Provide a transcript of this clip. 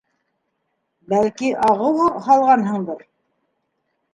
Бәлки, ағыу һалғанһыңдыр.